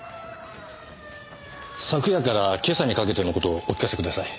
昨夜から今朝にかけての事お聞かせください。